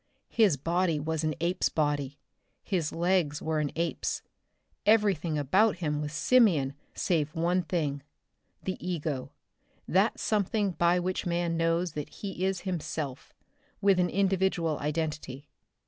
His body was an ape's body, his legs were an ape's, everything about him was simian save one thing the "ego," that something by which man knows that he is himself, with an individual identity.